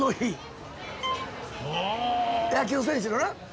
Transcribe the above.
野球選手のな